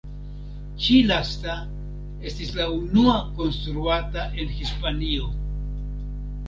Ĉi lasta estis la unua konstruata en Hispanio.